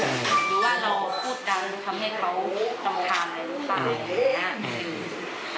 หรือว่าเราพูดดังทำให้เขาต้องการอะไรหรือเปล่า